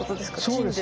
金で。